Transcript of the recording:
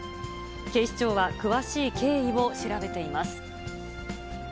警視庁は詳しい経緯を調べています。